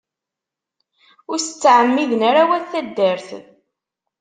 Ur as-ttɛemmiden ara wat taddart.